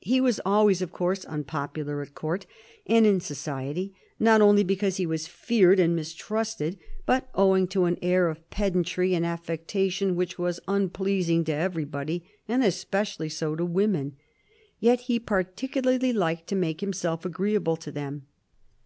He was always, of course, unpopular at Court and in society; not only because he was feared and mistrusted, but owing to an air of pedantry and affectation which was unpleasing to everybody and especially so to women ; yet he particularly liked to make himself agreeable to them.